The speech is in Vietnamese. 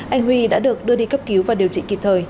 anh huy đã được đưa đi cấp cứu và điều trị kịp thời